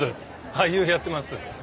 俳優やってます。